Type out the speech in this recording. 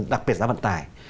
đặc biệt giá vận tải